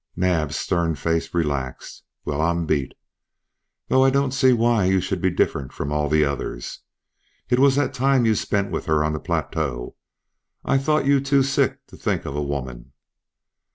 Naab's stern face relaxed. "Well, I'm beat! Though I don't see why you should be different from all the others. It was that time you spent with her on the plateau. I thought you too sick to think of a woman!"